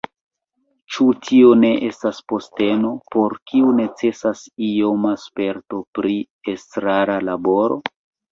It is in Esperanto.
Ĉu tio ne estas posteno, por kiu necesas ioma sperto pri estrara laboro?